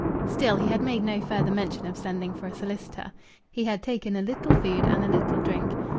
Still, he had made no further mention of sending for a solicitor. He had taken a little food and a little drink.